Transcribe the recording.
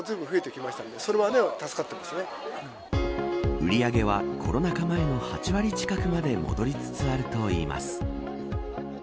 売り上げはコロナ禍前の８割近くまで戻りつつあるといいます。